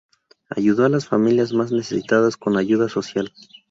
Ayudó a las familias más necesitadas con ayuda social.